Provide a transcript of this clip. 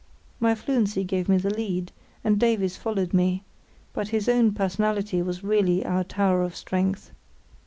My fluency gave me the lead, and Davies followed me; but his own personality was really our tower of strength.